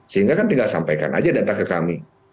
sehingga kan tinggal sampaikan aja data ke kami